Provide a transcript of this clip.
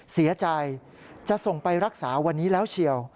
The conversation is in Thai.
เสียใจจะส่งไปรักษาวันนี้แล้วเชียว